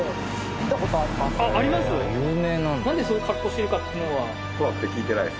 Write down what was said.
なんでそういう格好をしてるかっていうのは。